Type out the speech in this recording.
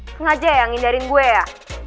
sengaja ya ngindarin gue ya